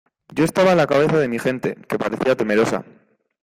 yo estaba a la cabeza de mi gente, que parecía temerosa